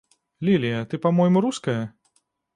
Лілія, ты па-мойму руская?